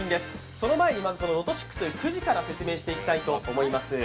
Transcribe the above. その前にまずロト６というくじから説明していきたいと思います。